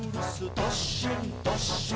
どっしんどっしん」